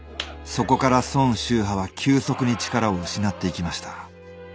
そこから孫秀波は急速に力を失っていきました。